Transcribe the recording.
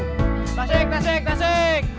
tasik tasik tasik